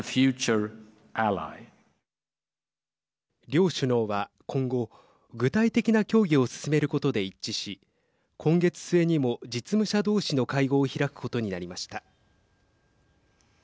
両首脳は今後、具体的な協議を進めることで一致し今月末にも実務者同士の会合を開くことになりました。